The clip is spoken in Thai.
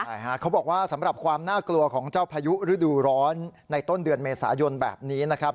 ใช่ฮะเขาบอกว่าสำหรับความน่ากลัวของเจ้าพายุฤดูร้อนในต้นเดือนเมษายนแบบนี้นะครับ